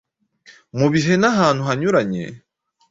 mu bihe n’ahantu hanyuranye